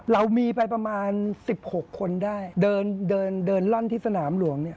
เรามีไปประมาณ๑๖คนได้เดินร่อนที่สนามหลวง